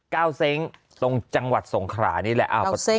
เก้าสิ้งตรงจังหวัดศงขรานี้แหละ